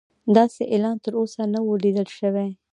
داسې اعلان تر اوسه نه و لیدل شوی.